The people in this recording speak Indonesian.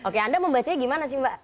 oke anda membacanya gimana sih mbak